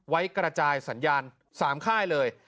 กระจายสัญญาณ๓ค่ายเลย